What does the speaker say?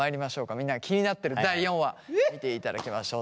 みんなが気になってる第４話見ていただきましょう。